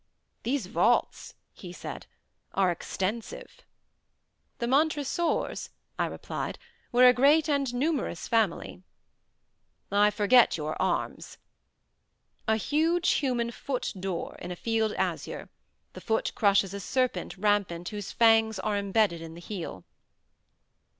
"These vaults," he said, "are extensive." "The Montresors," I replied, "were a great and numerous family." "I forget your arms." "A huge human foot d'or, in a field azure; the foot crushes a serpent rampant whose fangs are imbedded in the heel."